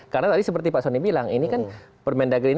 karena tadi seperti pak sony bilang ini kan permendagri ini